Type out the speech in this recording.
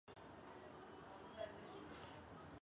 於是自己慢慢走回屋内